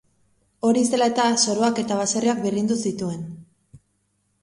Hori zela eta, soroak eta baserriak birrindu zituen.